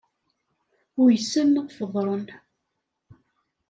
Uysen ad feḍren.